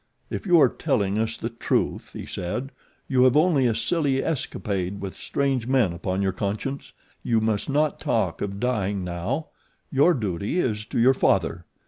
"If you are telling us the truth," he said, "you have only a silly escapade with strange men upon your conscience. You must not talk of dying now your duty is to your father.